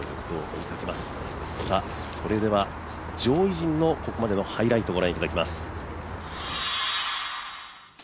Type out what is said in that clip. それでは、上位陣のここまでのハイライト、ご覧いただきます。